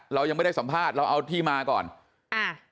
เรายังไม่ได้สัมภาษณ์เราเอาที่มาก่อนอ่า